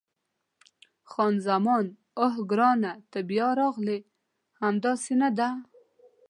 خان زمان: اوه، ګرانه ته بیا راغلې! همداسې نه ده؟